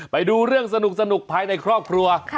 ไปดูเรื่องสนุกภายในครอบครัว